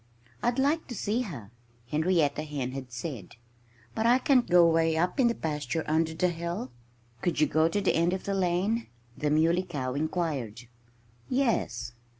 "I'd like to see her," Henrietta Hen had said. "But I can't go way up in the pasture, under the hill." "Could you go to the end of the lane?" the Muley Cow inquired. "Yes!"